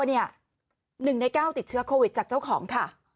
๑ใน๙ติดเชื้อโควิดจากเจ้าของค่ะ